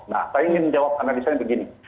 nah saya ingin menjawab analisanya begini